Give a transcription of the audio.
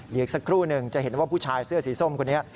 อีกสักครู่หนึ่งจะเห็นว่าผู้ชายเสื้อสีส้มคนนี้